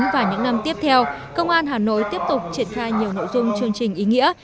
và những năm tiếp theo công an hà nội tiếp tục triển khai nhiều nội dung chương trình ý nghĩa